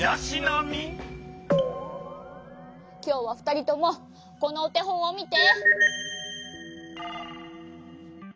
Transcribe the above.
きょうはふたりともこのおてほんをみて。